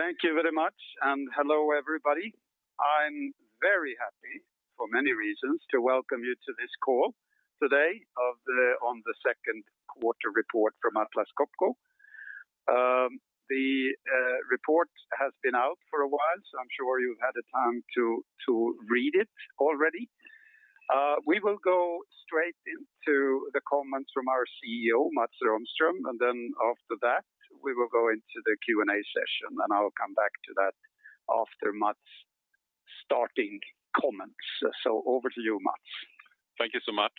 Thank you very much, and hello, everybody. I'm very happy, for many reasons, to welcome you to this call today on the second quarter report from Atlas Copco. The report has been out for a while, I'm sure you've had the time to read it already. We will go straight into the comments from our CEO, Mats Rahmström, and then after that, we will go into the Q&A session, and I will come back to that after Mats' starting comments. Over to you, Mats. Thank you so much.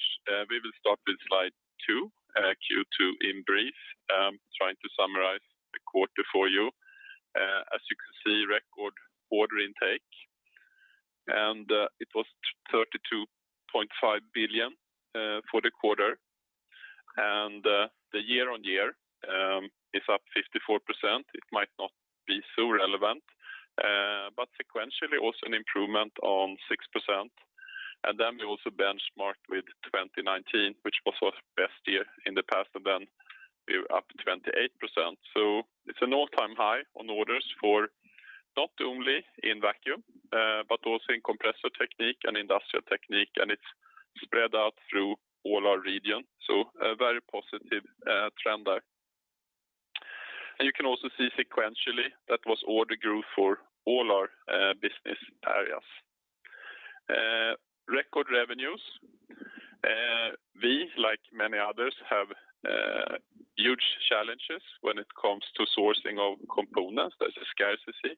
We will start with slide two, Q2 in brief, trying to summarize the quarter for you. As you can see, record order intake, it was 32.5 billion for the quarter. The year-over-year is up 54%. It might not be so relevant, sequentially, also an improvement on 6%. We also benchmarked with 2019, which was our best year in the past, and then we were up 28%. It's an all-time high on orders for not only in Vacuum, but also in Compressor Technique and Industrial Technique, and it's spread out through all our regions. A very positive trend there. You can also see sequentially, that was order growth for all our business areas. Record revenues. We, like many others, have huge challenges when it comes to sourcing of components. There's a scarcity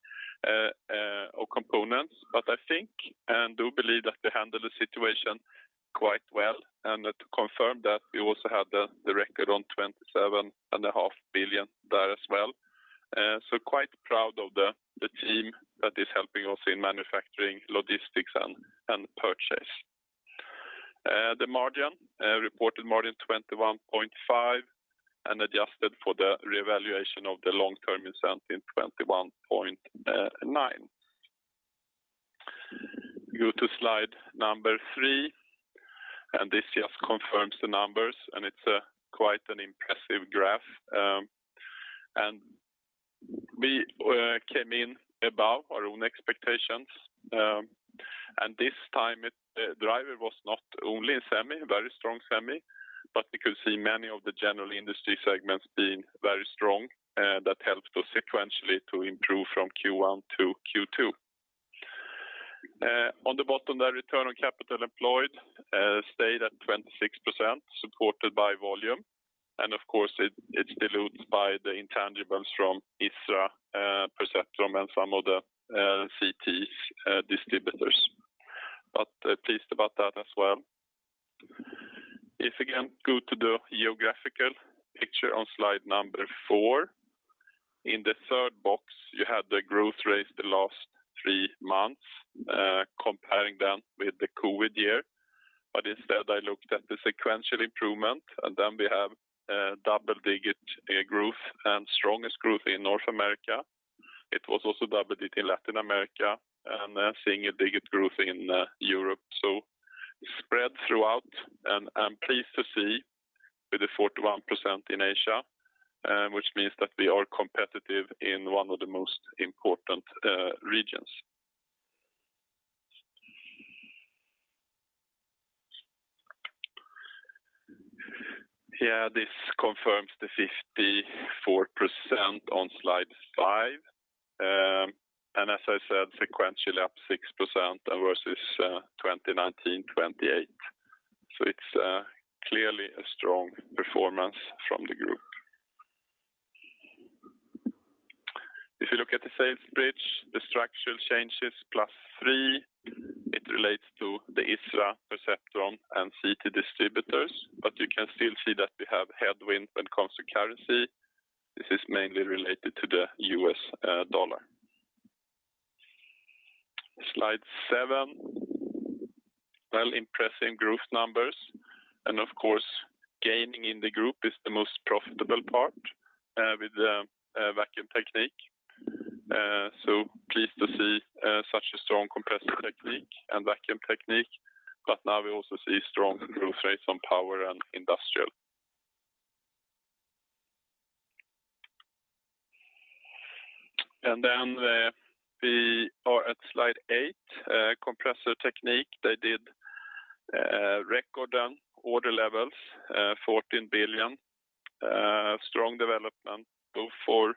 of components. I think and do believe that we handled the situation quite well, and to confirm that we also had the record on 27.5 billion there as well. Quite proud of the team that is helping us in manufacturing, logistics, and purchase. The margin, reported margin 21.5%, and adjusted for the revaluation of the Long-Term Incentive, 21.9%. Go to slide number three. This just confirms the numbers. It's quite an impressive graph. We came in above our own expectations. This time, the driver was not only in semi, very strong semi, but we could see many of the general industry segments being very strong, that helped us sequentially to improve from Q1 to Q2. On the bottom there, return on capital employed stayed at 26%, supported by volume. Of course, it's diluted by the intangibles from ISRA, Perceptron, and some of the CT distributors. Pleased about that as well. Again, go to the geographical picture on slide four. In the third box, you had the growth rates the last 3 months, comparing them with the COVID year. Instead, I looked at the sequential improvement, and then we have double-digit growth and strongest growth in North America. It was also double-digit in Latin America, and then seeing a digit growth in Europe. Spread throughout, and I'm pleased to see with the 41% in Asia, which means that we are competitive in one of the most important regions. Yeah, this confirms the 54% on slide five. As I said, sequentially up 6% and versus 2019, 28%. It's clearly a strong performance from the group. If you look at the sales bridge, the structural changes plus three, it relates to the ISRA, Perceptron, and CT distributors. You can still see that we have headwind when it comes to currency. This is mainly related to the U.S. dollar. Slide seven. Impressive growth numbers. Of course, gaining in the group is the most profitable part with the Vacuum Technique. Pleased to see such a strong Compressor Technique and Vacuum Technique. Now we also see strong growth rates on Power and Industrial. We are at slide eight. Compressor Technique, they did record on order levels, 14 billion. Strong development both for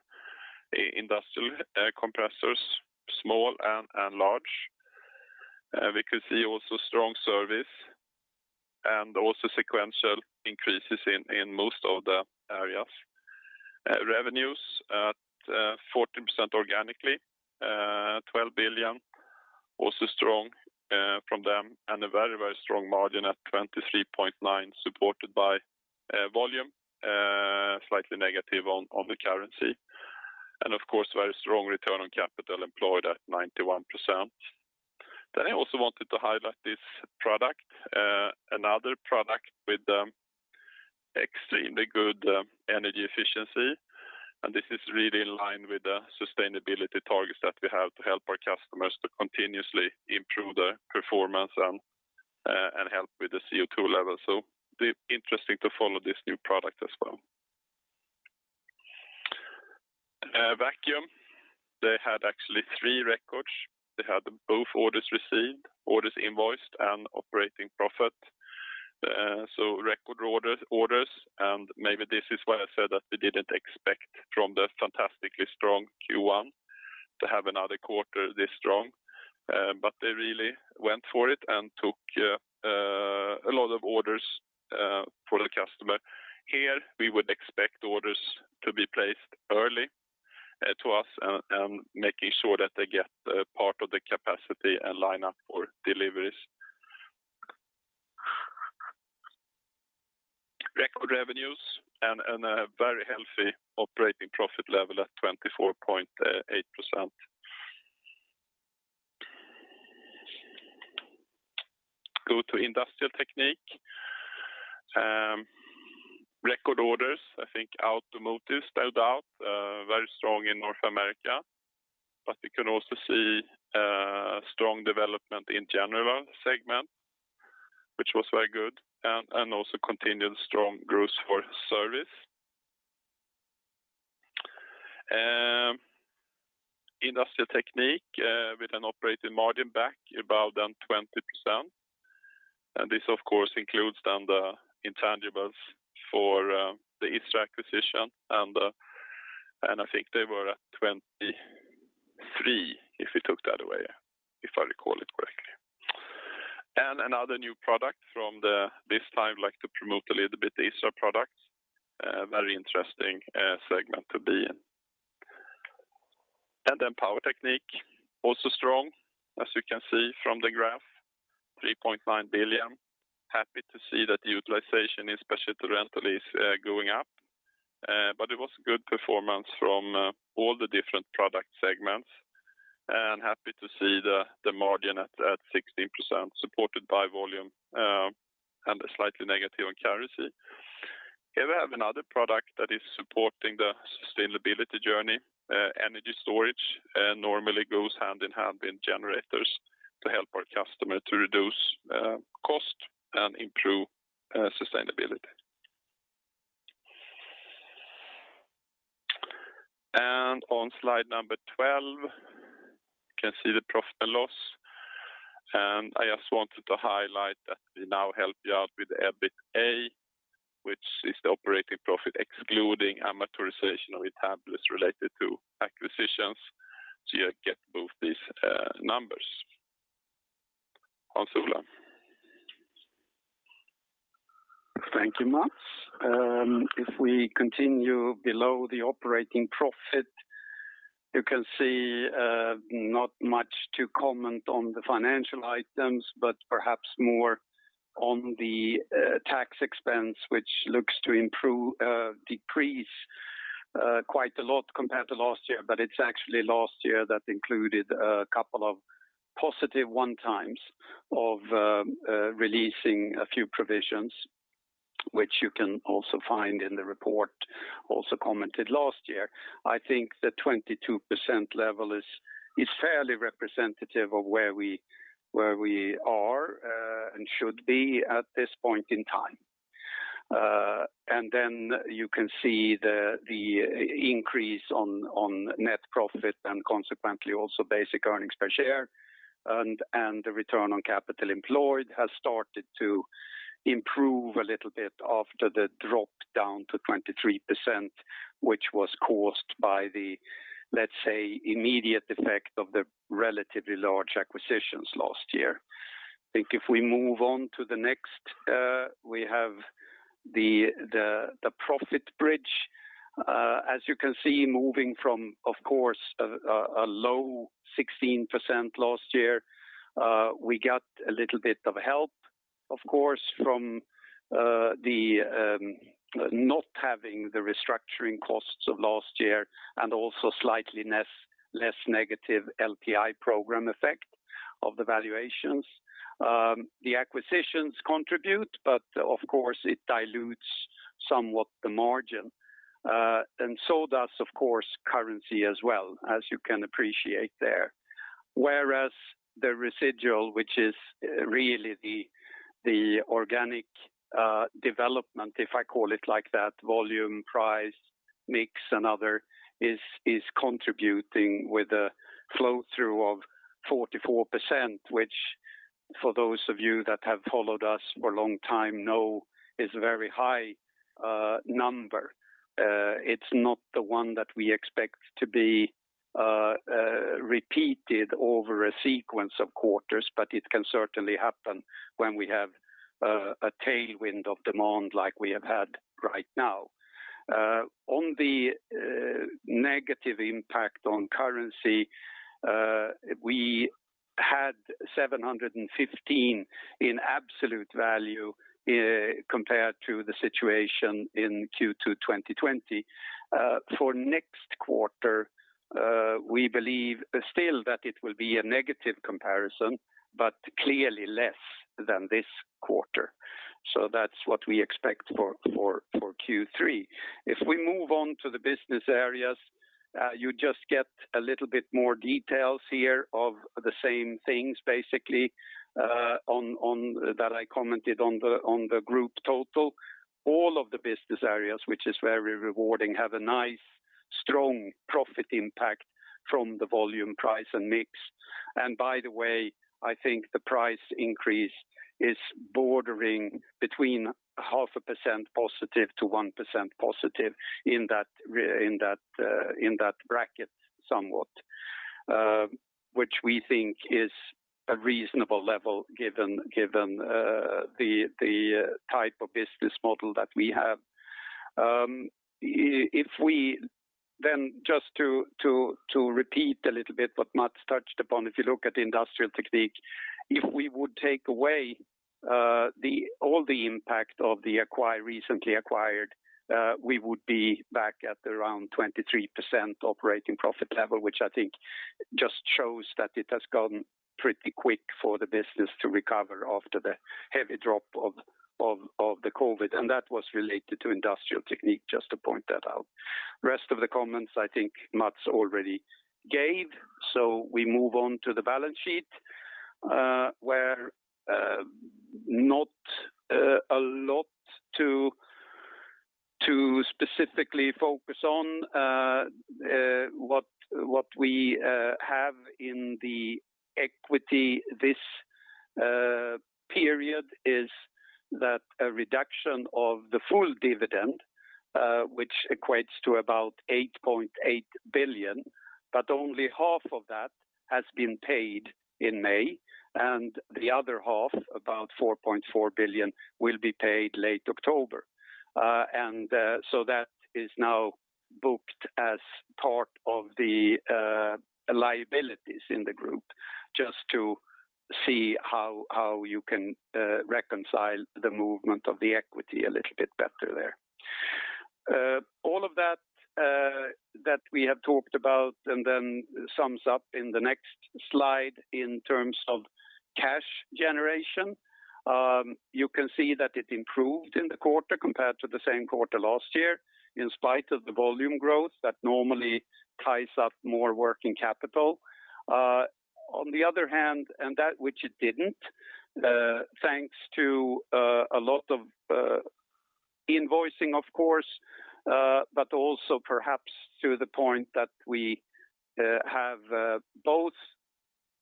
industrial compressors, small and large. We could see also strong service and also sequential increases in most of the areas. Revenues at 14% organically, 12 billion also strong from them, and a very strong margin at 23.9%, supported by volume, slightly negative on the currency. Of course, very strong return on capital employed at 91%. I also wanted to highlight this product, another product with extremely good energy efficiency. This is really in line with the sustainability targets that we have to help our customers to continuously improve their performance and help with the CO2 level. It will be interesting to follow this new product as well. Vacuum, they had actually three records. They had both orders received, orders invoiced, and operating profit. Record orders. Maybe this is why I said that they didn't expect from the fantastically strong Q1 to have another quarter this strong. They really went for it and took a lot of orders for the customer. Here, we would expect orders to be placed early to us and making sure that they get part of the capacity and line up for deliveries. Record revenues and a very healthy operating profit level at 24.8%. Go to Industrial Technique. Record orders, I think automotive stood out, very strong in North America. We can also see a strong development in general segment, which was very good, and also continued strong growth for service. Industrial Technique with an operating margin back above than 20%. This, of course, includes then the intangibles for the ISRA acquisition, and I think they were at 23%, if we took that away, if I recall it correctly. This time I'd like to promote a little bit the ISRA product. Very interesting segment to be in. Power Technique, also strong, as you can see from the graph, 3.9 billion. Happy to see that utilization, especially to rental, is going up. It was good performance from all the different product segments, happy to see the margin at 16%, supported by volume, and slightly negative on currency. Here we have another product that is supporting the sustainability journey. Energy storage normally goes hand in hand with generators to help our customer to reduce cost and improve sustainability. On slide number 12, you can see the profit and loss. I just wanted to highlight that we now help you out with the EBITA, which is the operating profit, excluding amortization of intangibles related to acquisitions. You get both these numbers. Hans Ola. Thank you, Mats. We continue below the operating profit, you can see not much to comment on the financial items, but perhaps more on the tax expense, which looks to decrease quite a lot compared to last year. It's actually last year that included a couple of positive one-times of releasing a few provisions, which you can also find in the report, also commented last year. I think the 22% level is fairly representative of where we are and should be at this point in time. You can see the increase on net profit and consequently also basic earnings per share, and the return on capital employed has started to improve a little bit after the drop-down to 23%, which was caused by the, let's say, immediate effect of the relatively large acquisitions last year. I think if we move on to the next, we have the profit bridge. As you can see, moving from, of course, a low 16% last year. We got a little bit of help, of course, from not having the restructuring costs of last year and also slightly less negative LTI program effect of the valuations. The acquisitions contribute, but of course, it dilutes somewhat the margin. Does, of course, currency as well, as you can appreciate there. Whereas the residual, which is really the organic development, if I call it like that, volume, price, mix, and other, is contributing with a flow-through of 44%, which, for those of you that have followed us for a long time know, is a very high number. It's not the one that we expect to be repeated over a sequence of quarters, but it can certainly happen when we have a tailwind of demand like we have had right now. On the negative impact on currency, we had 715 in absolute value compared to the situation in Q2 2020. For next quarter, we believe still that it will be a negative comparison, but clearly less than this quarter. That's what we expect for Q3. If we move on to the business areas, you just get a little bit more details here of the same things, basically, that I commented on the group total. All of the business areas, which is very rewarding, have a nice strong profit impact from the volume price and mix. By the way, I think the price increase is bordering between 0.5%-1% positive in that bracket somewhat, which we think is a reasonable level given the type of business model that we have. Just to repeat a little bit what Mats touched upon, if you look at the Industrial Technique, if we would take away all the impact of the recently acquired, we would be back at around 23% operating profit level, which I think just shows that it has gone pretty quick for the business to recover after the heavy drop of the COVID, and that was related to Industrial Technique, just to point that out. Rest of the comments, I think Mats already gave. We move on to the balance sheet, where not a lot to specifically focus on. What we have in the equity this period is that a reduction of the full dividend, which equates to about 8.8 billion, but only half of that has been paid in May, and the other half, about 4.4 billion, will be paid late October. That is now booked as part of the liabilities in the group, just to see how you can reconcile the movement of the equity a little bit better there. All of that that we have talked about and then sums up in the next slide in terms of cash generation. You can see that it improved in the quarter compared to the same quarter last year, in spite of the volume growth that normally ties up more working capital. On the other hand, that which it didn't, thanks to a lot of invoicing, of course, but also perhaps to the point that we have both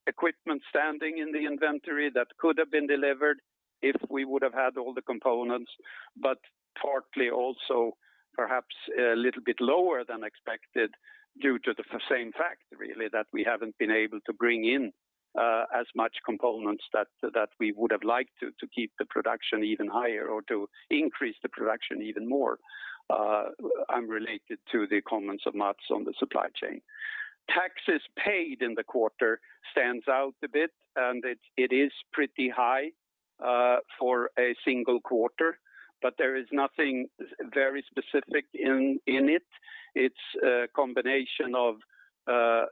equipment standing in the inventory that could have been delivered if we would have had all the components, but partly also perhaps a little bit lower than expected due to the same fact, really, that we haven't been able to bring in as much components that we would have liked to keep the production even higher or to increase the production even more. I'm related to the comments of Mats on the supply chain. Taxes paid in the quarter stands out a bit, and it is pretty high for a single quarter, but there is nothing very specific in it. It's a combination of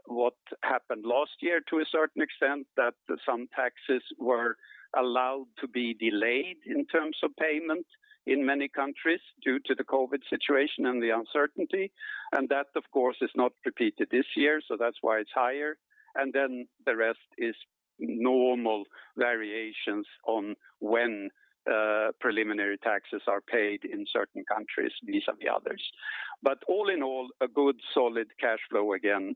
what happened last year to a certain extent, that some taxes were allowed to be delayed in terms of payment in many countries due to the COVID situation and the uncertainty. That, of course, is not repeated this year, so that's why it's higher. The rest is normal variations on when preliminary taxes are paid in certain countries vis-à-vis others. All in all, a good solid cash flow again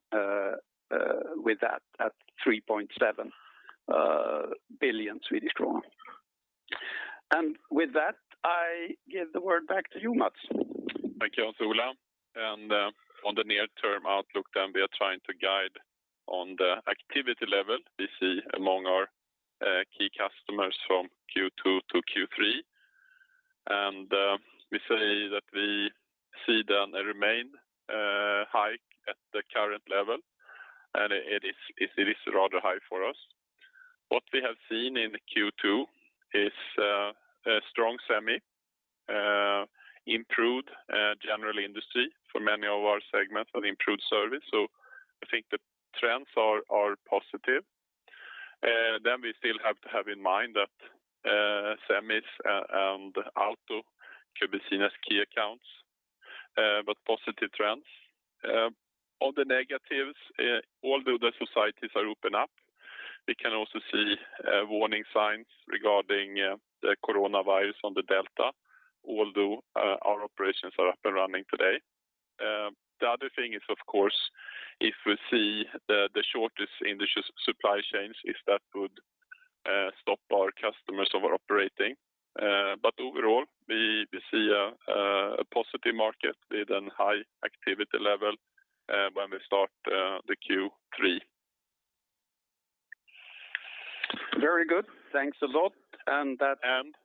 with that at 3.7 billion Swedish kronor. With that, I give the word back to you, Mats. Thank you, Hans Ola. On the near-term outlook, we are trying to guide on the activity level we see among our key customers from Q2 to Q3. We say that we see them remain high at the current level, and it is rather high for us. What we have seen in Q2 is a strong semi, improved general industry for many of our segments, and improved service. I think the trends are positive. We still have to have in mind that semis and auto could be seen as key accounts, but positive trends. Of the negatives, although the societies are open up, we can also see warning signs regarding the coronavirus on the Delta, although our operations are up and running today. The other thing is, of course, if we see the shortage in the supply chains, if that would stop our customers from operating. Overall, we see a positive market with a high activity level when we start the Q3. Very good. Thanks a lot. And-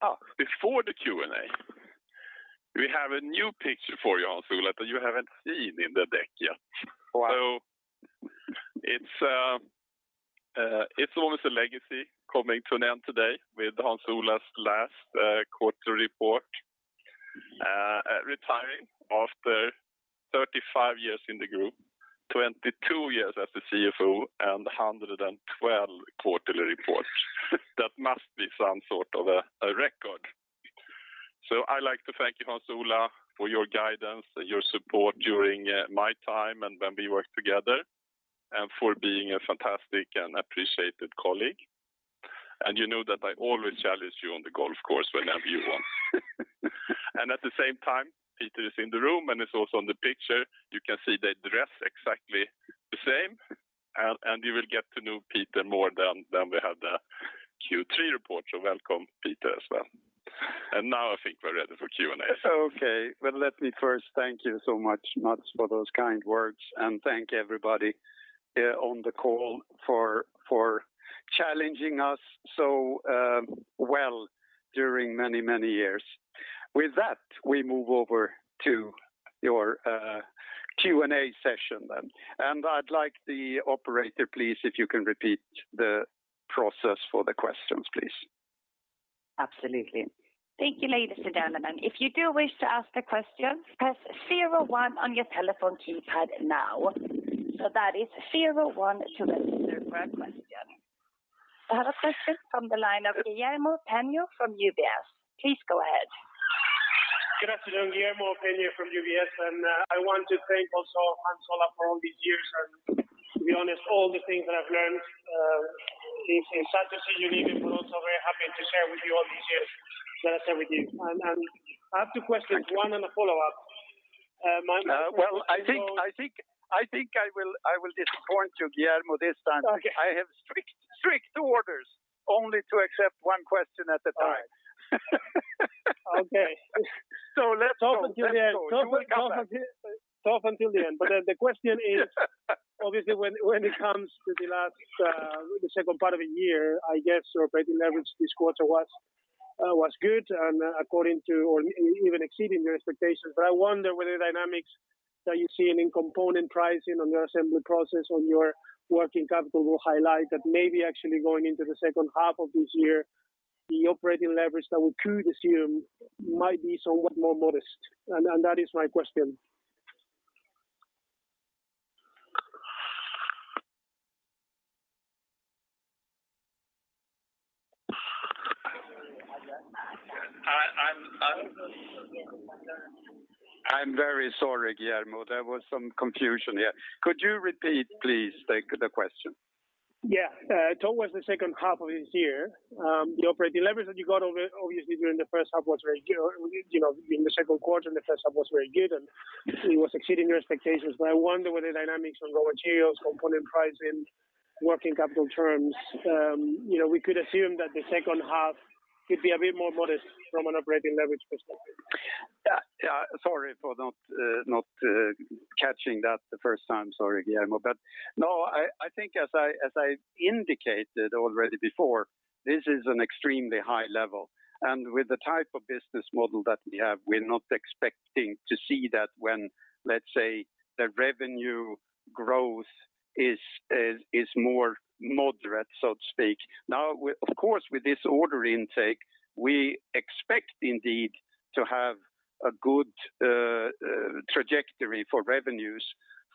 Oh. Before the Q&A, we have a new picture for you, Hans Ola, that you haven't seen in the deck yet. Wow. It's almost a legacy coming to an end today with Hans Ola's last quarter report. Retiring after 35 years in the group, 22 years as the CFO, and 112 quarterly reports. That must be some sort of a record. I'd like to thank you, Hans Ola, for your guidance, your support during my time and when we worked together, and for being a fantastic and appreciated colleague. You know that I always challenge you on the golf course whenever you want. At the same time, Peter is in the room and is also in the picture. You can see they dress exactly the same. You will get to know Peter more when we have the Q3 report. Welcome, Peter, as well. Now I think we're ready for Q&A. Okay. Well, let me first thank you so much, Mats, for those kind words, and thank everybody on the call for challenging us so well during many, many years. With that, we move over to your Q&A session then. I'd like the operator please, if you can repeat the process for the questions, please. Absolutely. Thank you, ladies and gentlemen. If you do wish to ask a question, press 0 one on your telephone keypad now. That is 0 one to register for a question. I have a question from the line of Guillermo Peigneux from UBS. Please go ahead. Good afternoon, Guillermo Peigneux from UBS. I want to thank also Hans Ola for all these years and, to be honest, all the things that I've learned. It's sad to see you leave, and also very happy to share with you all these years that I share with you. I have two questions, one and a follow-up. Well, I think I will disappoint you, Guillermo, this time. Okay. I have strict orders only to accept one question at a time. Okay. Let's go. Tough until the end. The question is, obviously, when it comes to the second part of the year, I guess your operating leverage this quarter was good and according to, or even exceeding your expectations. I wonder whether the dynamics that you're seeing in component pricing on your assembly process, on your working capital will highlight that maybe actually going into the second half of this year, the operating leverage that we could assume might be somewhat more modest. That is my question. I'm very sorry, Guillermo. There was some confusion here. Could you repeat, please, the question? Yeah. Towards the second half of this year, the operating leverage that you got obviously during the first half was very good. In the second quarter and the first half was very good, and it was exceeding your expectations. I wonder whether the dynamics on raw materials, component pricing, working capital terms we could assume that the second half could be a bit more modest from an operating leverage perspective. Yeah. Sorry for not catching that the first time. Sorry, Guillermo. No, I think as I indicated already before, this is an extremely high level. With the type of business model that we have, we're not expecting to see that when, let's say, the revenue growth is more moderate, so to speak. Of course, with this order intake, we expect indeed to have a good trajectory for revenues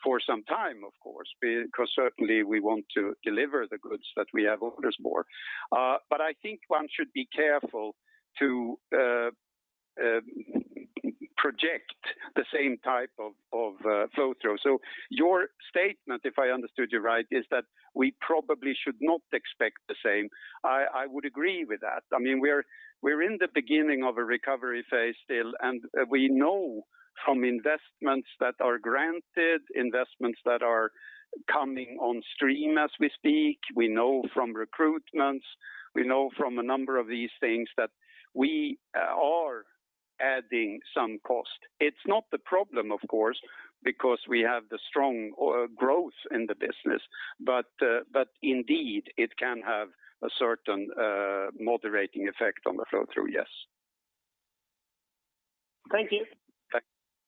for some time, of course, because certainly we want to deliver the goods that we have orders for. I think one should be careful to project the same type of flow-through. Your statement, if I understood you right, is that we probably should not expect the same. I would agree with that. We're in the beginning of a recovery phase still. We know from investments that are granted, investments that are coming on stream as we speak. We know from recruitments, we know from a number of these things that we are adding some cost. It's not a problem, of course, because we have the strong growth in the business. Indeed, it can have a certain moderating effect on the flow-through, yes. Thank you.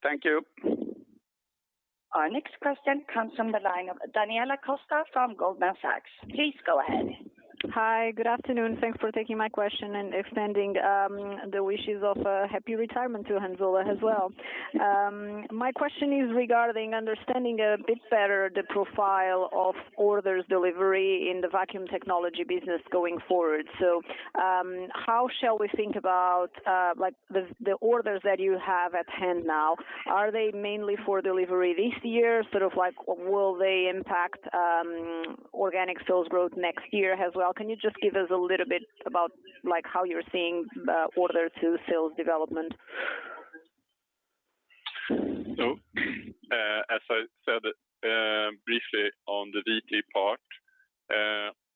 Thank you. Our next question comes from the line of Daniela Costa from Goldman Sachs. Please go ahead. Hi, good afternoon. Thanks for taking my question and extending the wishes of a happy retirement to Hans Ola as well. My question is regarding understanding a bit better the profile of orders delivery in the vacuum technology business going forward. How shall we think about the orders that you have at hand now? Are they mainly for delivery this year? Sort of like will they impact organic sales growth next year as well? Can you just give us a little bit about how you're seeing order to sales development? As I said briefly on the VT part,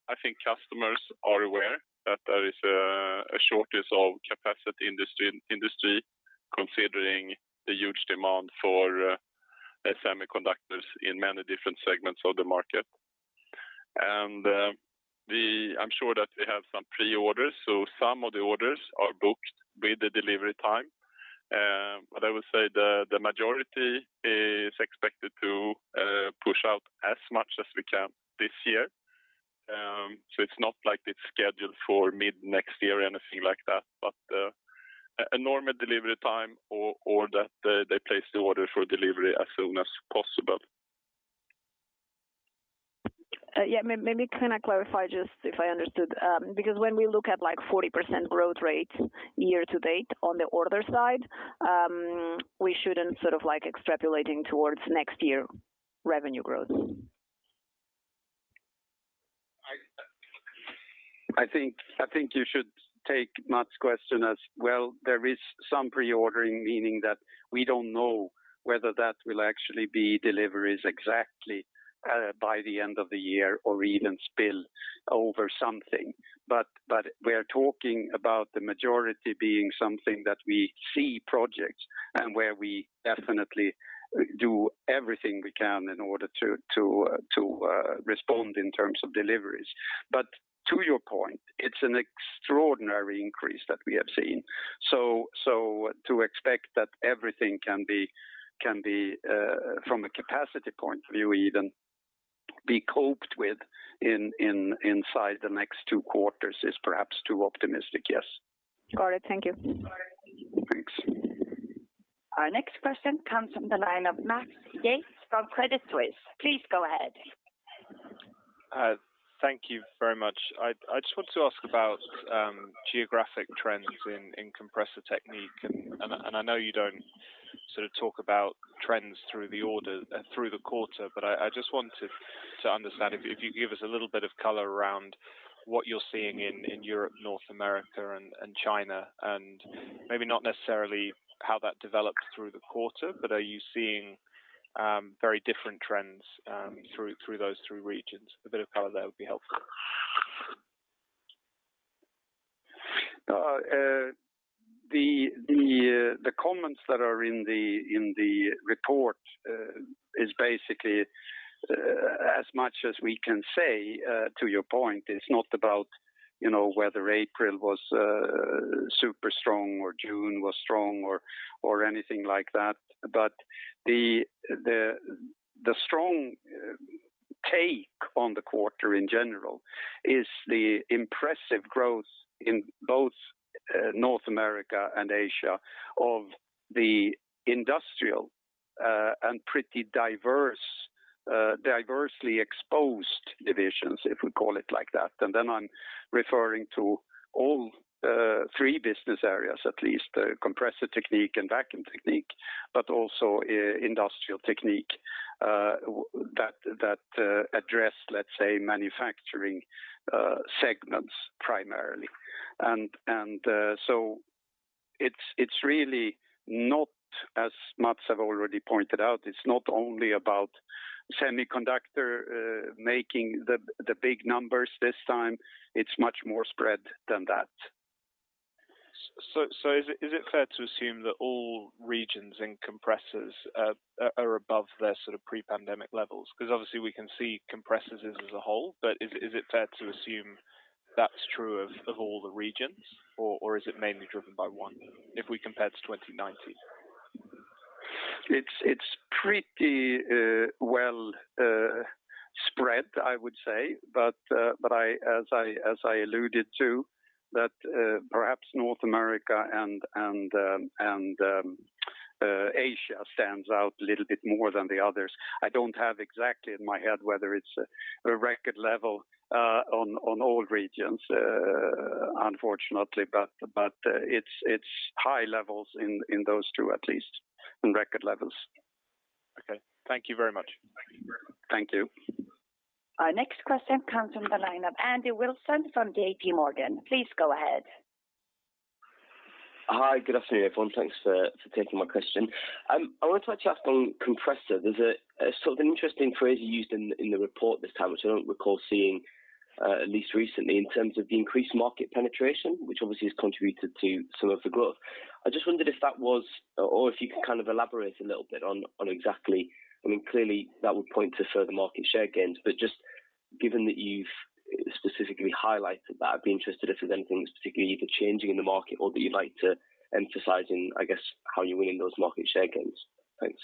I think customers are aware that there is a shortage of capacity in the industry, considering the huge demand for semiconductors in many different segments of the market. I'm sure that we have some pre-orders, so some of the orders are booked with the delivery time. I would say the majority is expected to push out as much as we can this year. It's not like it's scheduled for mid next year or anything like that, but a normal delivery time or that they place the order for delivery as soon as possible. Yeah, maybe can I clarify just if I understood? When we look at 40% growth rate year to date on the order side, we shouldn't extrapolating towards next year revenue growth. I think you should take Mats's question as well, there is some pre-ordering, meaning that we don't know whether that will actually be deliveries exactly by the end of the year or even spill over something. We're talking about the majority being something that we see projects and where we definitely do everything we can in order to respond in terms of deliveries. To your point, it's an extraordinary increase that we have seen. To expect that everything can be, from a capacity point of view even, be coped with inside the next two quarters is perhaps too optimistic, yes. Got it. Thank you. Thanks. Our next question comes from the line of Max Yates from Credit Suisse. Please go ahead. Thank you very much. I just want to ask about geographic trends in Compressor Technique. I know you don't talk about trends through the quarter. I just wanted to understand if you could give us a little bit of color around what you're seeing in Europe, North America and China. Maybe not necessarily how that developed through the quarter, but are you seeing very different trends through those three regions? A bit of color there would be helpful. The comments that are in the report is basically as much as we can say, to your point, it's not about whether April was super strong or June was strong or anything like that. The strong take on the quarter in general is the impressive growth in both North America and Asia of the industrial, and pretty diversely exposed divisions, if we call it like that. I'm referring to all three business areas, at least Compressor Technique and Vacuum Technique, but also Industrial Technique that address, let's say, manufacturing segments primarily. It's really not, as Mats have already pointed out, it's not only about semiconductor making the big numbers this time. It's much more spread than that. Is it fair to assume that all regions in compressors are above their pre-pandemic levels? Because obviously we can see compressors as a whole, but is it fair to assume that's true of all the regions, or is it mainly driven by one, if we compare to 2019? It's pretty well spread, I would say, but as I alluded to, that perhaps North America and Asia stands out a little bit more than the others. I don't have exactly in my head whether it's a record level on all regions, unfortunately, but it's high levels in those two at least, and record levels. Okay. Thank you very much. Thank you. Our next question comes from the line of Andrew Wilson from JPMorgan. Please go ahead. Hi. Good afternoon, everyone. Thanks for taking my question. I wanted to touch up on Compressor. There is an interesting phrase you used in the report this time, which I do not recall seeing, at least recently, in terms of the increased market penetration, which obviously has contributed to some of the growth. I just wondered if that was, or if you could elaborate a little bit on exactly. I mean, clearly that would point to further market share gains, but just given that you have specifically highlighted that, I would be interested if there is anything that is particularly either changing in the market or that you would like to emphasize in, I guess, how you are winning those market share gains. Thanks.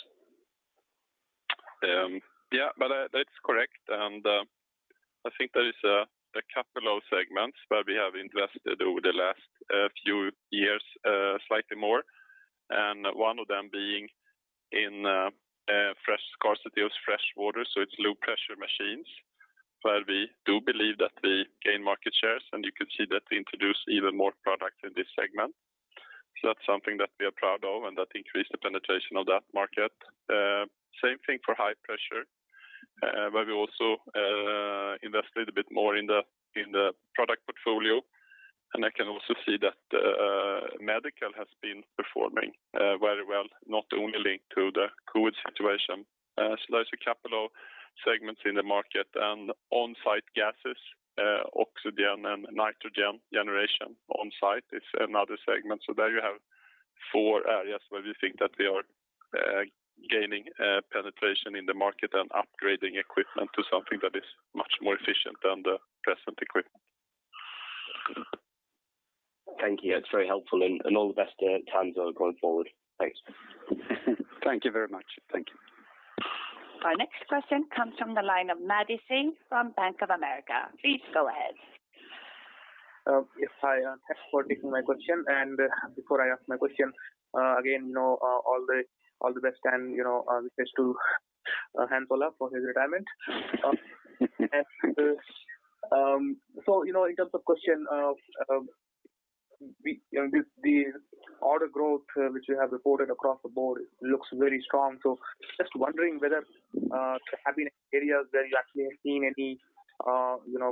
Yeah. That's correct, and I think there is a couple of segments where we have invested over the last few years, slightly more, and one of them being in scarcity of fresh water, so it's low-pressure machines. Where we do believe that we gain market shares, and you could see that we introduce even more product in this segment. That's something that we are proud of and that increased the penetration of that market. Same thing for high pressure, where we also invested a bit more in the product portfolio. I can also see that medical has been performing very well, not only linked to the COVID situation. There's a couple of segments in the market and on-site gases, oxygen and nitrogen generation on-site is another segment. There you have four areas where we think that we are gaining penetration in the market and upgrading equipment to something that is much more efficient than the present equipment. Thank you. That is very helpful and all the best to Hans Ola going forward. Thanks. Thank you very much. Thank you. Our next question comes from the line of Maddy Singh from Bank of America. Please go ahead. Yes. Hi, thanks for taking my question, and before I ask my question, again all the best and wishes to Hans Ola for his retirement. In terms of question, the order growth which you have reported across the board looks very strong. Just wondering whether there have been areas where you actually have seen any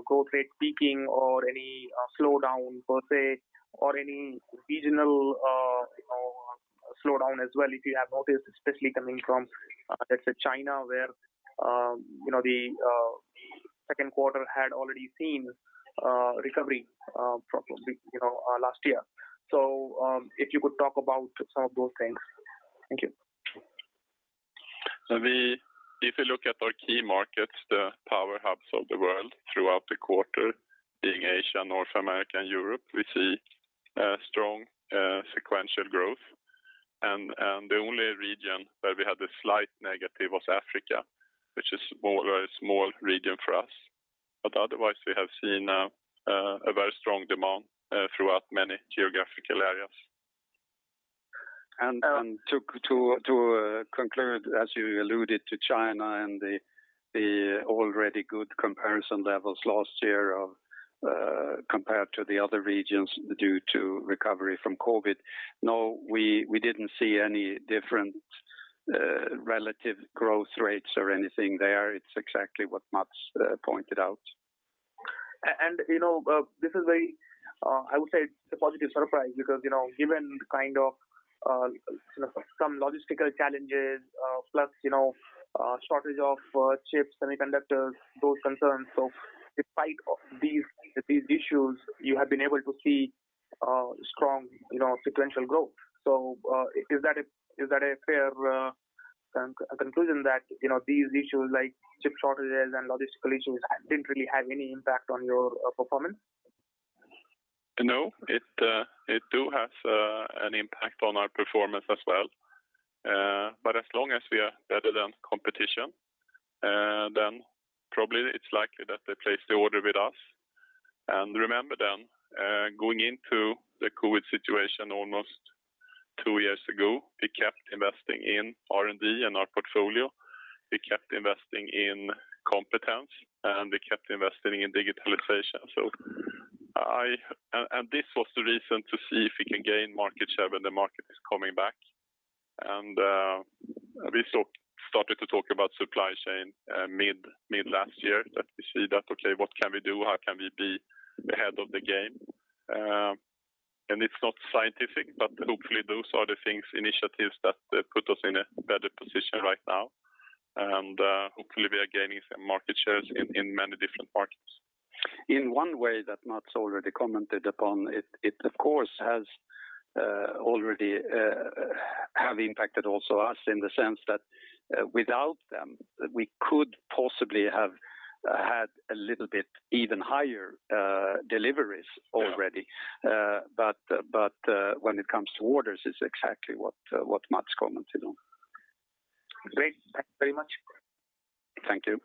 growth rate peaking or any slowdown per se, or any regional slowdown as well, if you have noticed, especially coming from, let's say, China, where the second quarter had already seen recovery from last year. If you could talk about some of those things. Thank you. If you look at our key markets, the power hubs of the world throughout the quarter being Asia, North America and Europe, we see strong sequential growth. The only region where we had a slight negative was Africa, which is a very small region for us. Otherwise, we have seen a very strong demand throughout many geographical areas. To conclude, as you alluded to China and the already good comparison levels last year compared to the other regions due to recovery from COVID. No, we didn't see any different relative growth rates or anything there. It's exactly what Mats pointed out. This is a, I would say, a positive surprise because, given kind of some logistical challenges, plus shortage of chips, semiconductors, those concerns. Despite these issues, you have been able to see strong sequential growth. Is that a fair conclusion that these issues like chip shortages and logistical issues didn't really have any impact on your performance? No, it do have an impact on our performance as well. As long as we are better than competition, probably it's likely that they place the order with us. Remember then, going into the COVID situation almost two years ago, we kept investing in R&D and our portfolio. We kept investing in competence, we kept investing in digitalization. This was the reason to see if we can gain market share when the market is coming back. We started to talk about supply chain mid-last year that we see that, okay, what can we do? How can we be ahead of the game? It's not scientific, hopefully those are the things, initiatives that put us in a better position right now. Hopefully we are gaining some market shares in many different markets. In one way that Mats already commented upon it of course have impacted also us in the sense that without them, we could possibly have had a little bit even higher deliveries already. Yeah. When it comes to orders, it's exactly what Mats commented on. Great. Thank you very much. Thank you.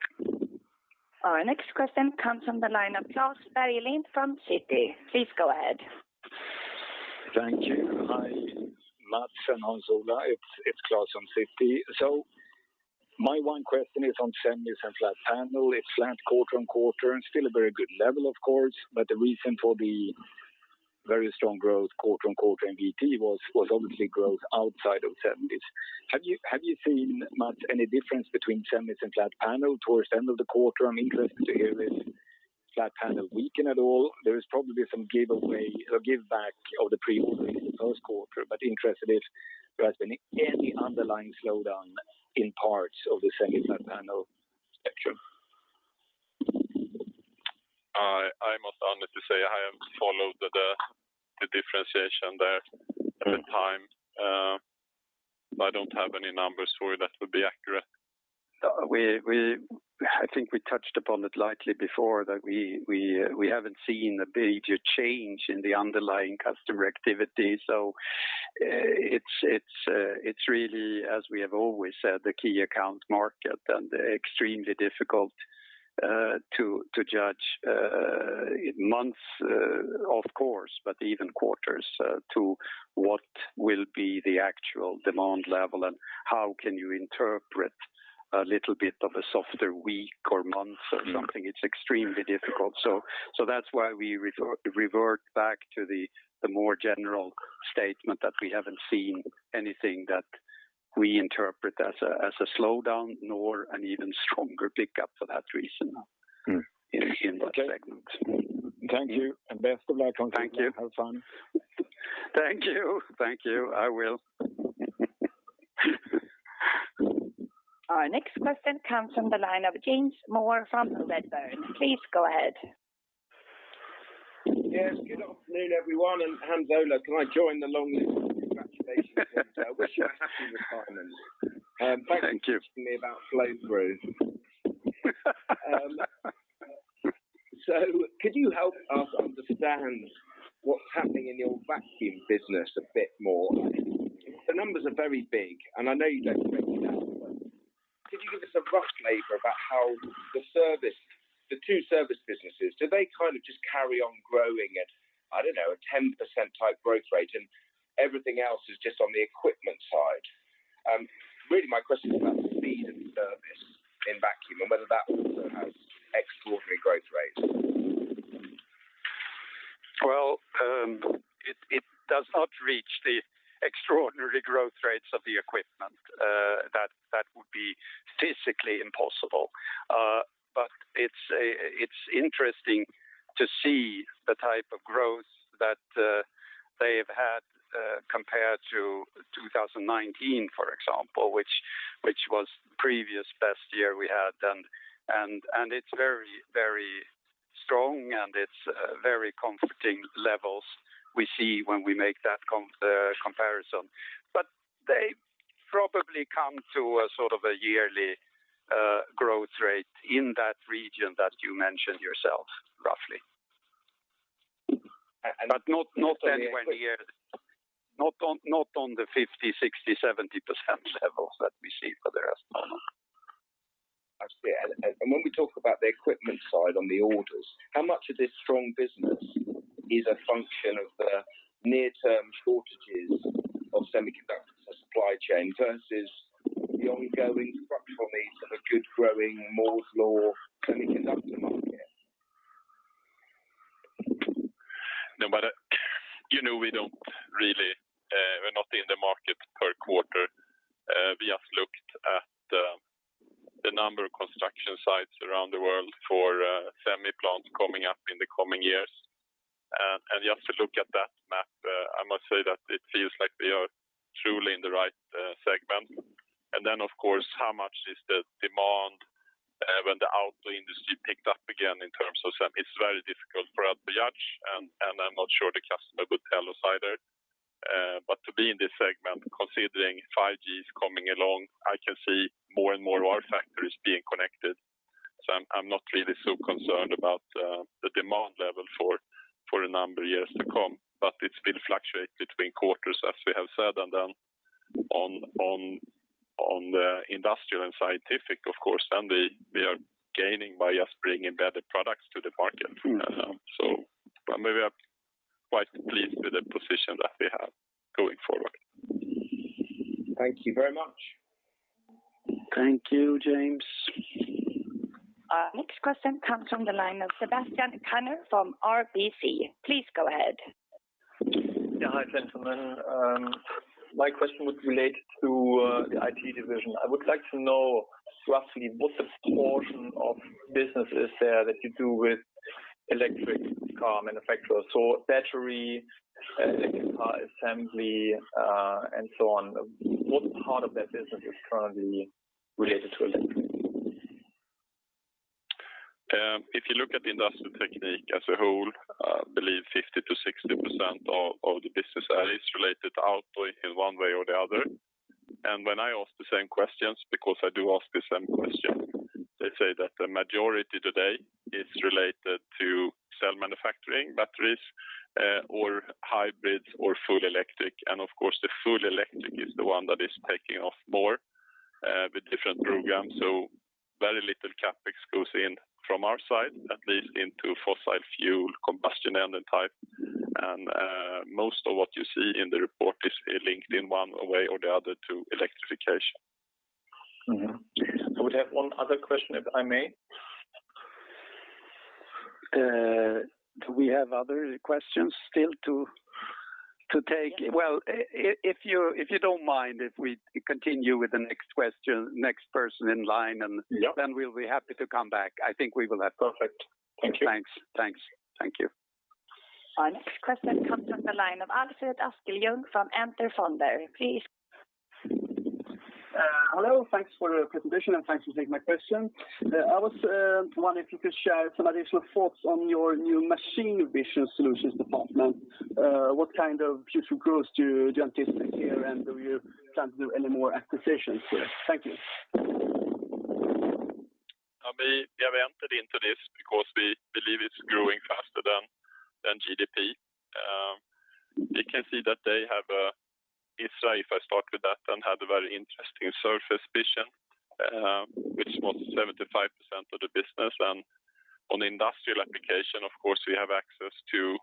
Our next question comes from the line of Klas Bergelind from Citi. Please go ahead. Thank you. Hi, Mats and Hans Ola. It's Klas from Citi. My one question is on semis and flat panel. It's flat quarter-on-quarter, and still a very good level, of course, but the reason for the very strong growth quarter-on-quarter in VT was obviously growth outside of semis. Have you seen, Mats, any difference between semis and flat panel towards the end of the quarter? I'm interested to hear if flat panel weakened at all. There is probably some give back of the pre-order in the first quarter, but interested if there has been any underlying slowdown in parts of the semi flat panel section. I must honestly say I haven't followed the differentiation there at the time. I don't have any numbers for you that would be accurate. I think we touched upon it lightly before that we haven't seen a major change in the underlying customer activity. It's really, as we have always said, the key account market and extremely difficult to judge months, of course, but even quarters to what will be the actual demand level and how can you interpret a little bit of a softer week or month or something. It's extremely difficult. That's why we revert back to the more general statement that we haven't seen anything that we interpret as a slowdown nor an even stronger pickup for that reason in that segment. Okay. Thank you, and best of luck. Thank you. Have fun. Thank you. Thank you. I will. Our next question comes from the line of James Moore from Redburn. Please go ahead. Yes, good afternoon, everyone, and Hans Ola, can I join the long [inaudible] wish you a happy retirement. Thank you. Thanks for talking to me about flow through. Could you help us understand what's happening in your Vacuum Technique business a bit more? The numbers are very big, and I know you don't break it out, but could you give us a rough number about how the two service businesses, do they just carry on growing at, I don't know, a 10%-type growth rate and everything else is just on the equipment side? Really my question is about the speed and service in Vacuum Technique and whether that also has extraordinary growth rates. Well, it does not reach the extraordinary growth rates of the equipment. That would be physically impossible. It's interesting to see the type of growth that they've had compared to 2019, for example, which was previous best year we had. It's very strong and it's very comforting levels we see when we make that comparison. They probably come to a sort of a yearly growth rate in that region that you mentioned yourself, roughly. Not anywhere near, not on the 50%, 60%, 70% levels that we see for the rest of them. I see. When we talk about the equipment side on the orders, how much of this strong business is a function of the near-term shortages of semiconductors and supply chain versus the ongoing structural need for the good growing Moore's Law semiconductor market? We're not in the market per quarter. We have looked at the number of construction sites around the world for semi plants coming up in the coming years. Just to look at that map, I must say that it feels like we are truly in the right segment. Then, of course, how much is the demand when the auto industry picked up again in terms of semi, it's very difficult for us to judge, and I'm not sure the customer would tell us either. To be in this segment, considering 5G is coming along, I can see more and more of our factories being connected. I'm not really so concerned about the demand level for a number of years to come. It will fluctuate between quarters, as we have said. On the industrial and scientific, of course, then we are gaining by just bringing better products to the market. I maybe am quite pleased with the position that we have going forward. Thank you very much. Thank you, James. Our next question comes from the line of Sebastian Kuenne from RBC. Please go ahead. Yeah. Hi, gentlemen. My question would relate to the IT division. I would like to know roughly what proportion of business is there that you do with electric car manufacturers, battery, electric car assembly, and so on. What part of that business is currently related to electric vehicles? If you look at the Industrial Technique as a whole, I believe 50%-60% of the business is related to auto in one way or the other. When I ask the same questions, because I do ask the same questions, they say that the majority today is related to cell manufacturing batteries or hybrids or full electric. Of course, the full electric is the one that is taking off more with different programs. Very little CapEx goes in from our side, at least into fossil fuel combustion engine type. Most of what you see in the report is linked in one way or the other to electrification. I would have one other question, if I may. Do we have other questions still to take? Well, if you don't mind if we continue with the next question, next person in line. Yep. We'll be happy to come back. I think we will have time. Perfect. Thank you. Thanks. Thank you. Our next question comes from the line of Alfred Askeljung from Enter Fonder. Please go ahead. Hello, thanks for the presentation, and thanks for taking my question. I was wondering if you could share some additional thoughts on your new Machine Vision Solutions department. What kind of future growth do you anticipate here, and do you plan to do any more acquisitions here? Thank you. We have entered into this because we believe it's growing faster than GDP. We can see that they have ISRA, I start with that, and have a very interesting surface vision, which was 75% of the business. On industrial application, of course, we have access to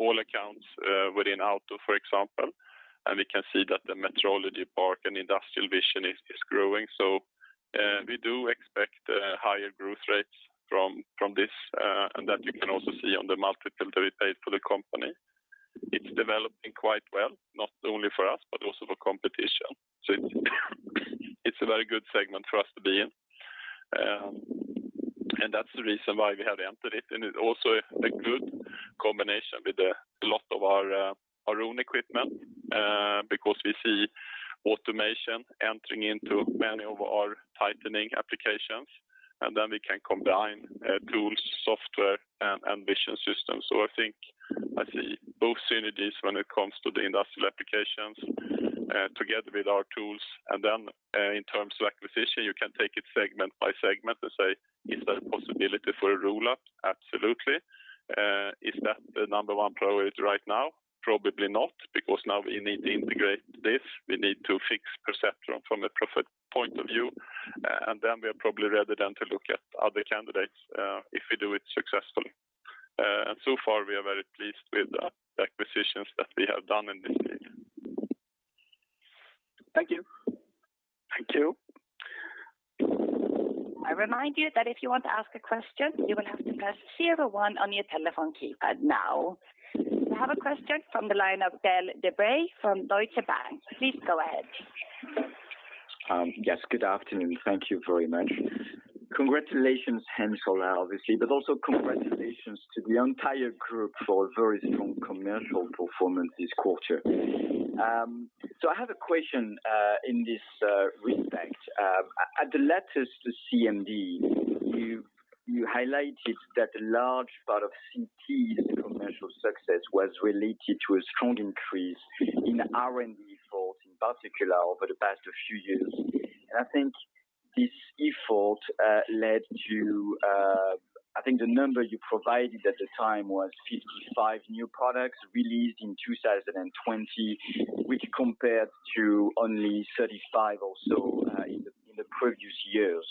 all accounts within Auto, for example, and we can see that the metrology part and industrial vision is growing. We do expect higher growth rates from this, and that you can also see on the multiple that we paid for the company. It's developing quite well, not only for us but also for competition. It's a very good segment for us to be in. That's the reason why we have entered it. It's also a good combination with a lot of our own equipment, because we see automation entering into many of our tightening applications. Then we can combine tools, software, and vision systems. I think I see both synergies when it comes to the industrial applications together with our tools. In terms of acquisition, you can take it segment by segment and say, "Is there a possibility for a roll-up?" Absolutely. Is that the number one priority right now? Probably not, because now we need to integrate this. We need to fix Perceptron from a profit point of view, and then we are probably ready then to look at other candidates if we do it successfully. So far, we are very pleased with the acquisitions that we have done in this space. Thank you. Thank you. I remind you that if you want to ask a question, you will have to press 0 one on your telephone keypad now. We have a question from the line of Gael de-Bray from Deutsche Bank. Please go ahead. Yes, good afternoon. Thank you very much. Congratulations, Hans Ola, obviously, but also congratulations to the entire group for a very strong commercial performance this quarter. I have a question in this respect. At the latest CMD, you highlighted that a large part of CT's commercial success was related to a strong increase in R&D efforts, in particular over the past few years. I think this effort led to, I think the number you provided at the time was 55 new products released in 2020, which compared to only 35 or so in the previous years.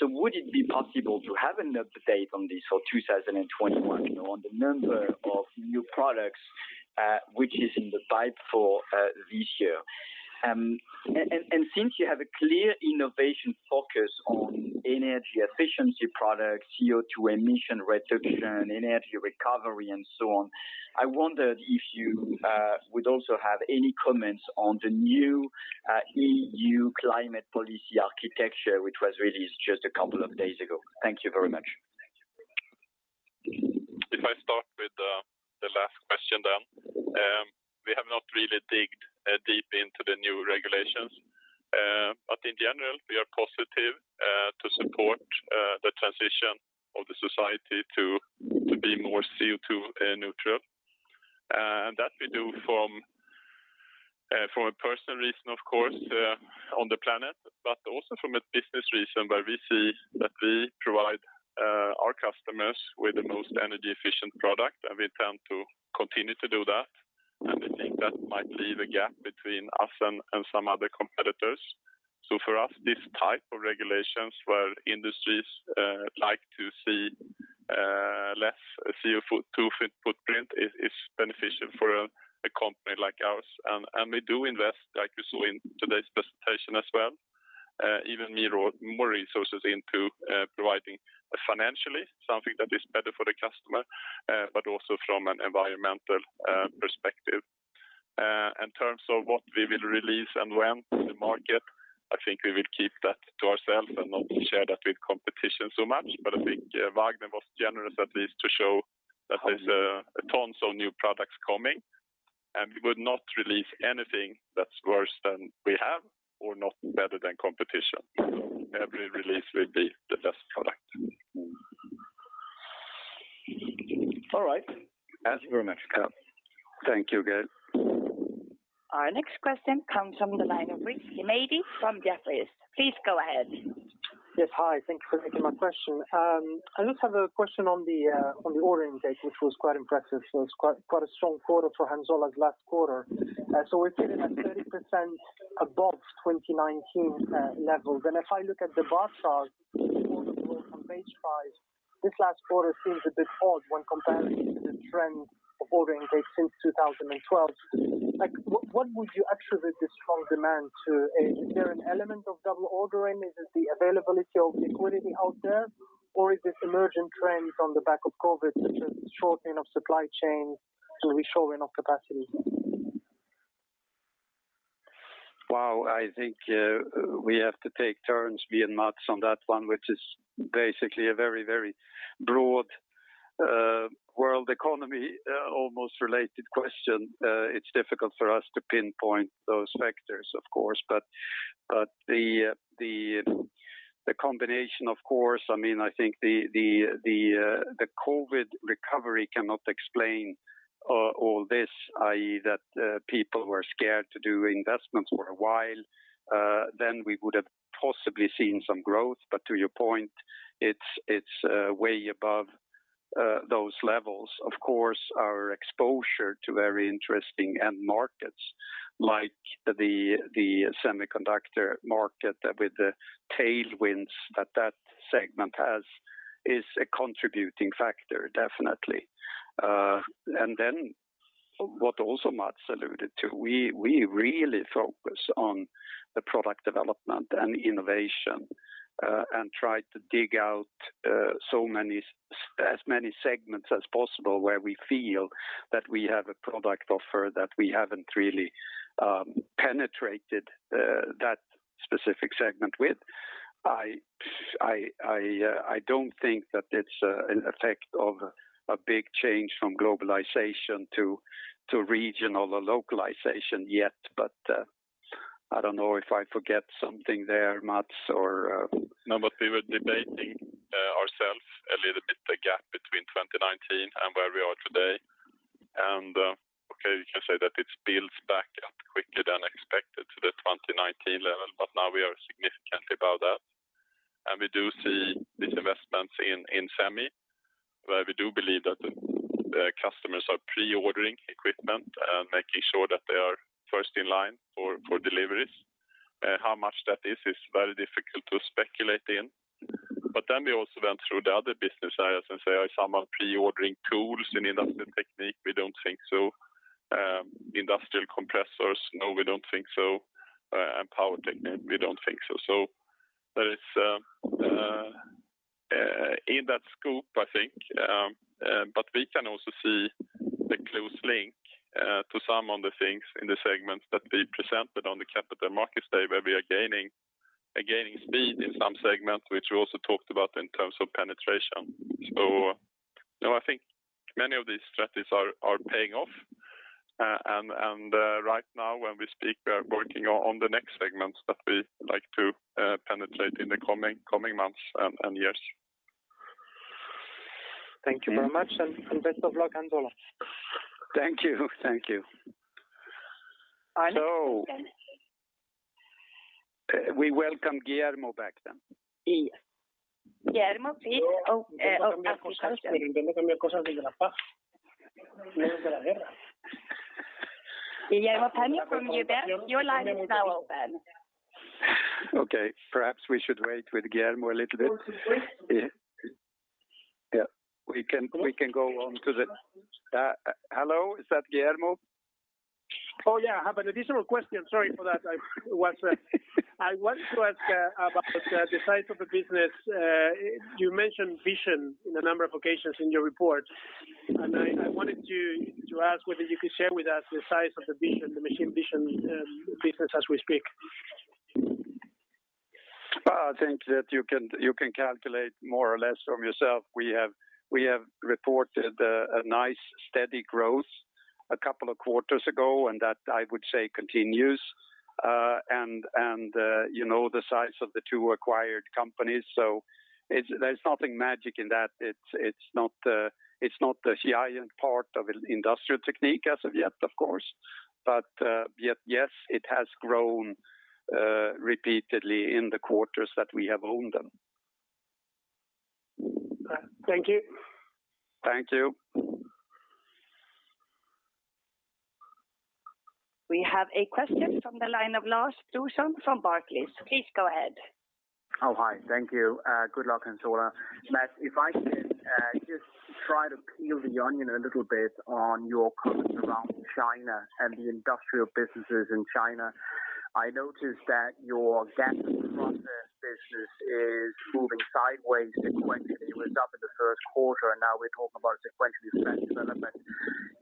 Would it be possible to have an update on this for 2021 on the number of new products which is in the pipe for this year? Since you have a clear innovation focus on energy efficiency products, CO2 emission reduction, energy recovery, and so on, I wondered if you would also have any comments on the new EU climate policy architecture, which was released just a couple of days ago. Thank you very much. If I start with the last question then. We have not really dug deep into the new regulations. In general, we are positive to support the transition of the society to be more CO2 neutral. That we do from a personal reason, of course, on the planet, but also from a business reason where we see that we provide our customers with the most energy efficient product, and we intend to continue to do that. I think that might leave a gap between us and some other competitors. For us, this type of regulations where industries like to see less CO2 footprint is beneficial for a company like ours. We do invest, like you saw in today's presentation as well, even more resources into providing financially something that is better for the customer, but also from an environmental perspective. In terms of what we will release and when to the market, I think we will keep that to ourselves and not share that with competition so much. I think Vagner was generous at least to show that there's tons of new products coming, and we would not release anything that's worse than we have or not better than competition. Every release will be the best product. All right. Thank you very much. Thank you, Gael. Our next question comes from the line of Rizk Maidi from Jefferies. Please go ahead. Yes. Hi, thank you for taking my question. I just have a question on the order intake, which was quite impressive. It was quite a strong quarter for Hans Ola last quarter. We're sitting at 30% above 2019 levels. If I look at the bar chart on page five, this last quarter seems a bit odd when comparing to the trend of ordering dates since 2012. What would you attribute this strong demand to? Is there an element of double ordering? Is it the availability of liquidity out there, or is this emergent trend from the back of COVID, such as shortening of supply chain, so we show enough capacity? Well, I think we have to take turns, me and Mats on that one, which is basically a very broad world economy, almost related question. It's difficult for us to pinpoint those factors, of course, but the combination, of course, I think the COVID recovery cannot explain all this, i.e., that people were scared to do investments for a while. We would have possibly seen some growth. To your point, it's way above those levels. Of course, our exposure to very interesting end markets like the semiconductor market with the tailwinds that segment has is a contributing factor, definitely. What also Mats alluded to, we really focus on the product development and innovation, and try to dig out as many segments as possible where we feel that we have a product offer that we haven't really penetrated that specific segment with. I don't think that it's an effect of a big change from globalization to regional or localization yet. I don't know if I forget something there, Mats or- We were debating ourselves a little bit the gap between 2019 and where we are today. Okay, you can say that it builds back up quicker than expected to the 2019 level, but now we are significantly above that. We do see these investments in semi, where we do believe that the customers are pre-ordering equipment and making sure that they are first in line for deliveries. How much that is very difficult to speculate in. We also went through the other business areas and say, is someone pre-ordering tools in Industrial Technique? We don't think so. Industrial compressors, no, we don't think so, and Power Technique, we don't think so. That is in that scope, I think. We can also see the close link to some of the things in the segments that we presented on the Capital Markets Day, where we are gaining speed in some segments, which we also talked about in terms of penetration. I think many of these strategies are paying off. Right now when we speak, we are working on the next segments that we like to penetrate in the coming months and years. Thank you very much, and best of luck, Hans Ola. Thank you. Alex, you can. We welcome Guillermo back then. Guillermo, please. [Non-English-content] Guillermo Peigneux from UBS your line is now open. Okay. Perhaps we should wait with Guillermo a little bit. [inaudible] Yes. We can go on to. Hello, is that Guillermo? Oh, yeah. I have an additional question. Sorry for that. I wanted to ask about the size of the business. You mentioned vision in a number of occasions in your report. I wanted to ask whether you could share with us the size of the machine vision business as we speak. I think that you can calculate more or less from yourself. We have reported a nice steady growth a couple of quarters ago, and that I would say continues. You know the size of the two acquired companies, there's nothing magic in that. It's not the giant part of Industrial Technique as of yet, of course. Yes, it has grown repeatedly in the quarters that we have owned them. Thank you. Thank you. We have a question from the line of Lars Brorson from Barclays. Please go ahead. Oh, hi. Thank you. Good luck, Hans Ola. Mats, if I could just try to peel the onion a little bit on your comments around China and the industrial businesses in China. I noticed that your gas process business is moving sideways sequentially. It was up in the first quarter. Now we're talking about a sequential. [inaudible]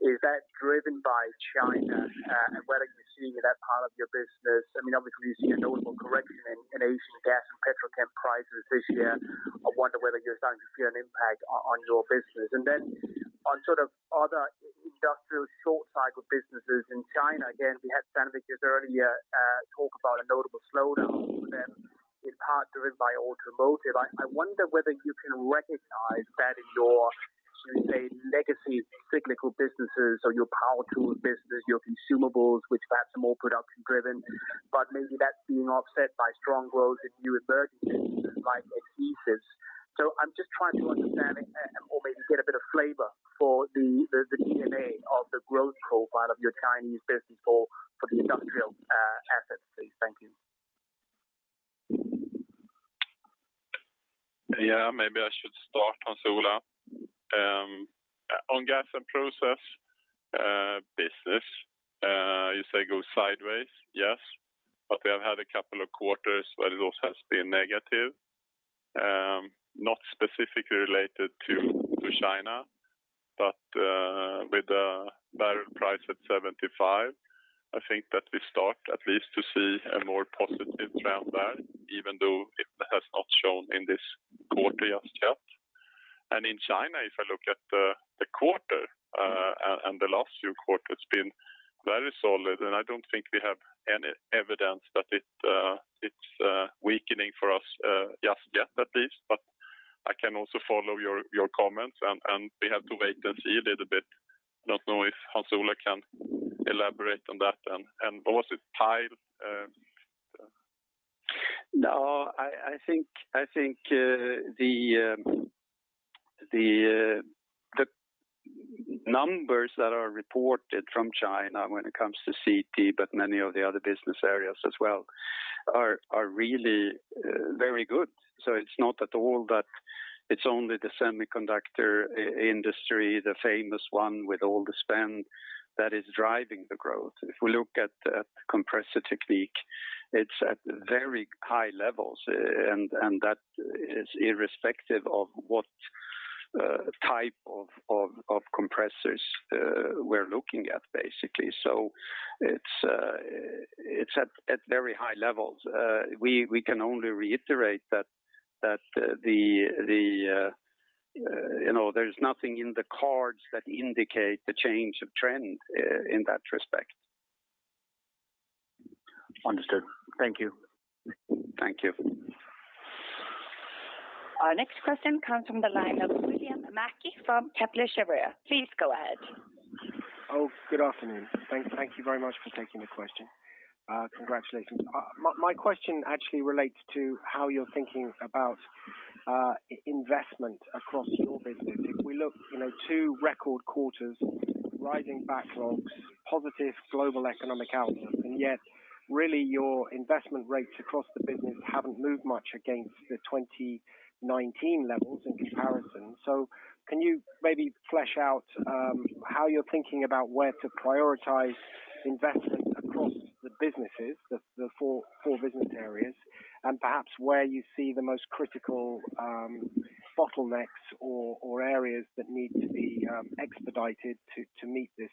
Is that driven by China and whether you're seeing in that part of your business, obviously, we've seen a notable correction in Asian gas and petrochemical prices this year. I wonder whether you're starting to see an impact on your business. On sort of other industrial short cycle businesses in China, again, we had Sandvik earlier talk about a notable slowdown for them in part driven by automotive. I wonder whether you can recognize that in your legacy cyclical businesses or your power tool business, your consumables, which perhaps are more production driven, but maybe that's being offset by strong growth in new emerging businesses like adhesives. I'm just trying to understand or maybe get a bit of flavor for the [inauidible] of the growth profile of your Chinese business or for the industrial assets, please. Thank you. Yes, maybe I should start, Hans Ola. On gas and process business, you say go sideways. Yes, but we have had a couple of quarters where it also has been negative. Not specifically related to China, but with the barrel price at $75, I think that we start at least to see a more positive trend there, even though it has not shown in this quarter just yet. In China, if I look at the quarter, and the last few quarters been very solid, and I don't think we have any evidence that it's weakening for us just yet, at least. I can also follow your comments, and we have to wait and see a little bit. I don't know if Hans Ola can elaborate on that then. Was it? [inaudible] No, I think the numbers that are reported from China when it comes to CT, but many of the other business areas as well, are really very good. It's not at all that it's only the semiconductor industry, the famous one with all the spend that is driving the growth. If we look at Compressor Technique, it's at very high levels, and that is irrespective of what type of compressors we're looking at, basically. It's at very high levels. We can only reiterate that the. There's nothing in the cards that indicate the change of trend in that respect. Understood. Thank you. Thank you. Our next question comes from the line of William Mackie from Kepler Cheuvreux. Please go ahead. Good afternoon. Thank you very much for taking the question. Congratulations. My question actually relates to how you're thinking about investment across your business. If we look, two record quarters, rising backlogs, positive global economic outlook, yet really your investment rates across the business haven't moved much against the 2019 levels in comparison. Can you maybe flesh out how you're thinking about where to prioritize investment across the businesses, the four business areas, and perhaps where you see the most critical bottlenecks or areas that need to be expedited to meet this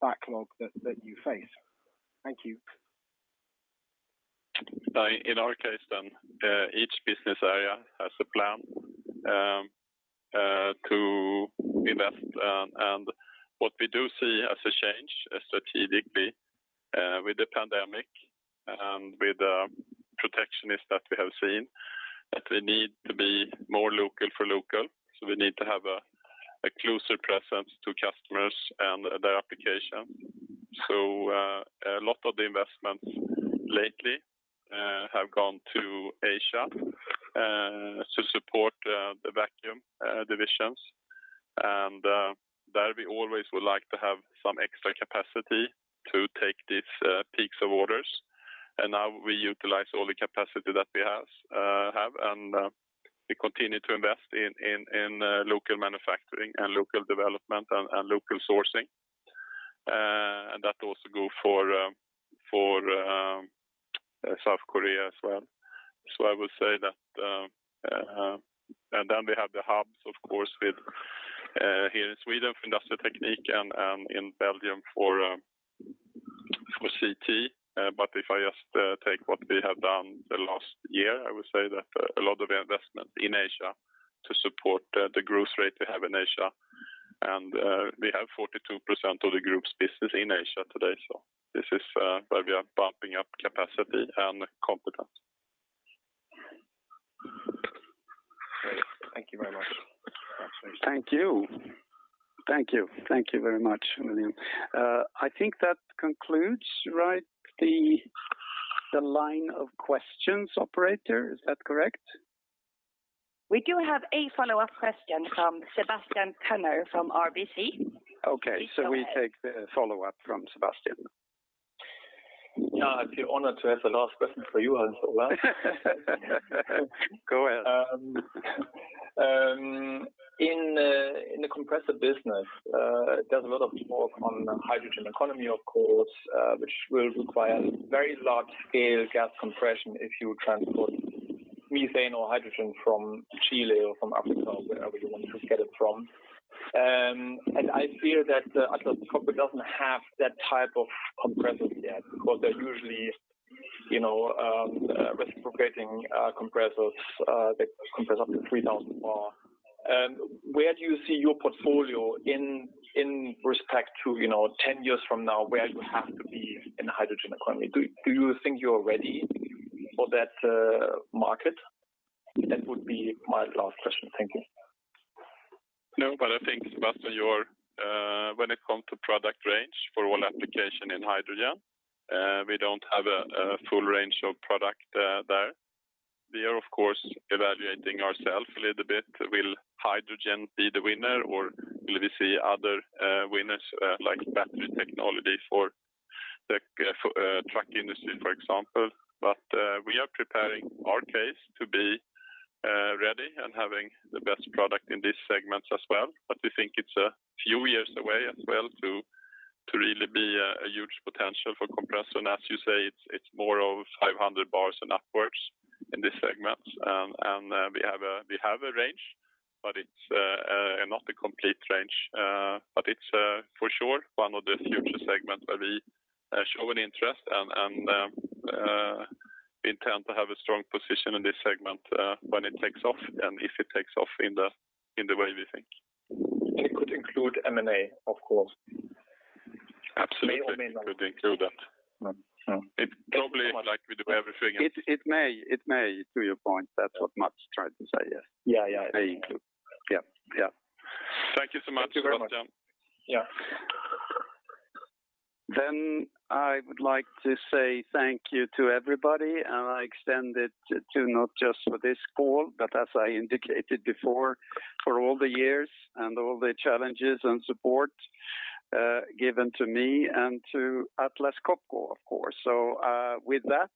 backlog that you face? Thank you. In our case, each business area has a plan to invest. What we do see as a change, strategically, with the pandemic and with the protectionism that we have seen, that we need to be more local for local. We need to have a closer presence to customers and their application. A lot of the investments lately have gone to Asia to support the Vacuum divisions. There, we always would like to have some extra capacity to take these peaks of orders. Now we utilize all the capacity that we have, and we continue to invest in local manufacturing and local development and local sourcing. That also goes for South Korea as well. We have the hubs, of course, here in Sweden for Industrial Technique and in Belgium for CT. If I just take what we have done the last year, I would say that a lot of investment in Asia to support the growth rate we have in Asia. We have 42% of the group's business in Asia today. This is where we are bumping up capacity and. [inaudible] Great. Thank you very much. Thank you. Thank you very much, William. I think that concludes, right, the line of questions, operator? Is that correct? We do have a follow-up question from Sebastian Kuenne from RBC. Okay. Please go ahead. We take the follow-up from Sebastian. Yeah, I feel honored to have the last question for you, Hans Ola. Go ahead. In the compressor business, there's a lot of talk on hydrogen economy, of course, which will require very large-scale gas compression if you transport methane or hydrogen from Chile or from Africa or wherever you want to get it from. I fear that Atlas Copco doesn't have that type of compressor yet, because they're usually reciprocating compressors that compress up to 3,000 bar. Where do you see your portfolio in respect to 10 years from now, where you have to be in the hydrogen economy? Do you think you're ready for that market? That would be my last question. Thank you. I think, Sebastian, when it comes to product range for oil application in hydrogen, we don't have a full range of product there. We are, of course, evaluating ourself a little bit, will hydrogen be the winner or will we see other winners, like battery technology for the truck industry, for example? We are preparing our case to be ready and having the best product in this segment as well. We think it's a few years away as well to really be a huge potential for compressor. As you say, it's more of 500 bars and upwards in this segment. We have a range, but it's not a complete range. It's, for sure, one of the future segments where we show an interest, and we intend to have a strong position in this segment when it takes off and if it takes off in the way we think. It could include M&A, of course. Absolutely. May or may not. It could include that. Probably like we do everything. It may, to your point, that's what Mats tried to say, yes. Yeah. May include. Yeah. Thank you so much, Sebastian. Thank you very much. Yeah. I would like to say thank you to everybody, and I extend it to not just for this call, but as I indicated before, for all the years and all the challenges and support given to me and to Atlas Copco, of course. With that,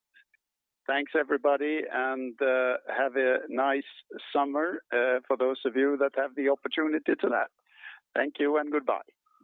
thanks everybody, and have a nice summer, for those of you that have the opportunity to that. Thank you and goodbye.